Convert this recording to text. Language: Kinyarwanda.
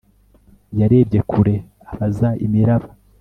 yarebye kure abaza imiraba